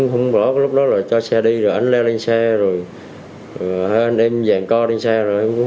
hôm đó lúc đó là cho xe đi rồi anh leo lên xe rồi hai anh em dàn co lên xe rồi